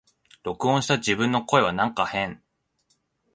録音した自分の声はなんか変